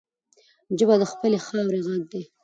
ژبه د خپلې خاورې غږ دی